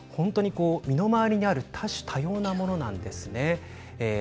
身の回りにある多種多様なものなんです。